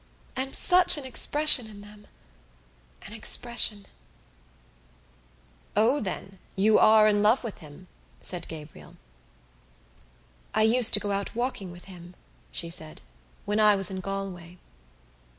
And such an expression in them—an expression!" "O then, you were in love with him?" said Gabriel. "I used to go out walking with him," she said, "when I was in Galway."